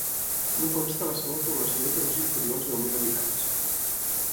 No consta la seva població però és inferior als deu mil habitants.